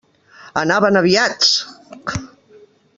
Anaven aviats!